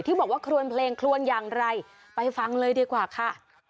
บอกว่าครวนเพลงคลวนอย่างไรไปฟังเลยดีกว่าค่ะ